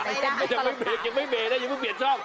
ไม่ได้ยังไม่เบยังไม่เปลี่ยนช่อง